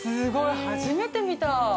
初めて見た。